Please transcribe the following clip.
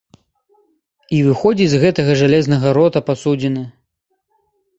І выходзіць з гэтага жалезнага рота пасудзіна.